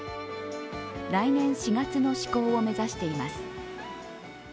来年４月の施行を目指しています。